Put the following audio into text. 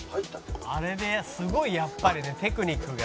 「あれですごいやっぱりねテクニックが」